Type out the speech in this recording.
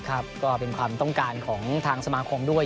ก็เป็นความต้องการของทางสมาคมด้วย